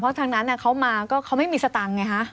เพราะทั้งนั้นเขามาก็ไม่มีสตังค์ไงคะ